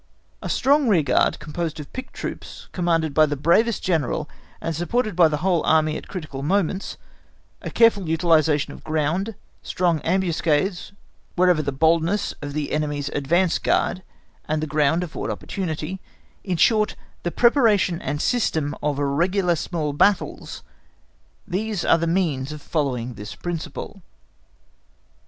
A strong rear guard composed of picked troops, commanded by the bravest General, and supported by the whole Army at critical moments, a careful utilisation of ground, strong ambuscades wherever the boldness of the enemy's advance guard, and the ground, afford opportunity; in short, the preparation and the system of regular small battles,—these are the means of following this principle.